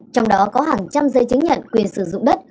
trong đó có hàng trăm dây chứng nhận quyền sử dụng đất